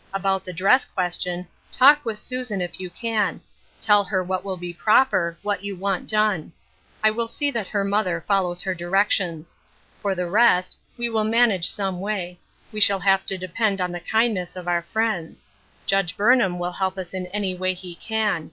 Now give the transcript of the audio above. About the dress question, talk with Susan, if you can ; tell her what will be proper — what you want done. I v/ill see that her mother follows her directions. For the rest, we will manage some way ; we shall have to de pend on the kindness of our friends. Judge Burnham vsdll help us in any way he can.